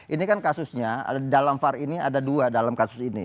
ini kan kasusnya dalam var ini ada dua dalam kasus ini